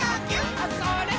あ、それっ！